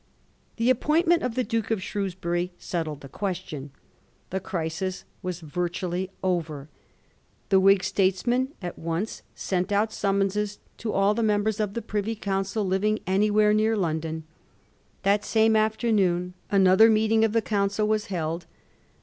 The appointment of the Duke of Shrewsbury settled the question. The crisis was virtually over. The Whig statesmen at once sent out sunmaonses to aU the members of the Privy Council living anywhere near London. That same afternoon another meeting of the Council was held.